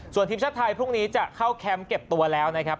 ส่วนทีมชาติไทยพรุ่งนี้จะเข้าแคมป์เก็บตัวแล้วนะครับ